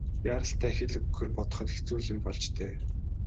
Яаралтай хэл өгөхөөр бодоход хэцүү л юм болж дээ.